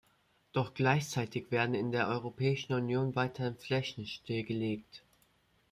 Doch gleichzeitig werden in der Europäischen Union weiterhin Flächen stillgelegt.